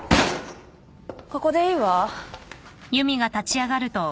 ここでいいわ。